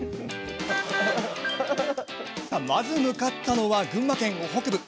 まず向かったのは群馬県北部